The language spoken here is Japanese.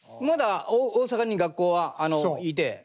まだ大阪に学校はいて。